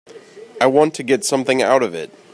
I want to get something out of it.